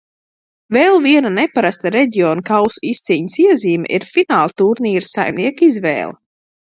Vēl viena neparasta Reģionu kausa izcīņas iezīme ir finālturnīra saimnieka izvēle.